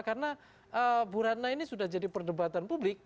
karena burhatna ini sudah jadi perdebatan publik